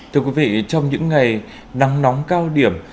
thưa quý vị trong những ngày nắng nóng cao điểm